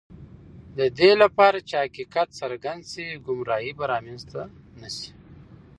د دې لپاره چې حقیقت څرګند شي، ګمراهی به رامنځته نه شي.